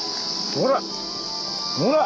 ほら！